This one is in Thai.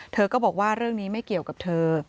เธอก็บอกว่าเรื่องนี้ไม่เกี่ยวกับเธอ